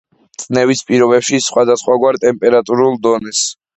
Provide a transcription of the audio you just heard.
წნევის პირობებში სხვადასხვაგვარ ტემპერატურულ დონეს.